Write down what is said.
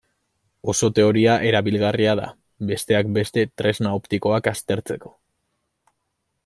Oso teoria erabilgarria da, besteak beste, tresna optikoak aztertzeko.